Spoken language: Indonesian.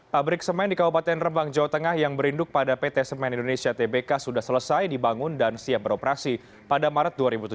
pabrik semen di kabupaten rembang jawa tengah yang berinduk pada pt semen indonesia tbk sudah selesai dibangun dan siap beroperasi pada maret dua ribu tujuh belas